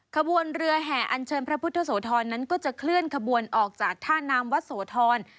ขบวนเรือแห่อันเชิญพระพุทธโสธรนั้นก็จะเคลื่อนขบวนออกจากท่าน้ำวัดโสธร